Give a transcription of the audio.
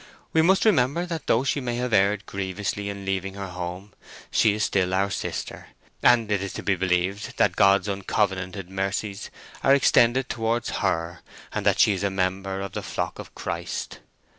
We must remember that though she may have erred grievously in leaving her home, she is still our sister: and it is to be believed that God's uncovenanted mercies are extended towards her, and that she is a member of the flock of Christ."